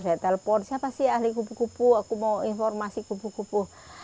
saya telepon siapa sih ahli kupu kupu aku mau informasi kupu kupu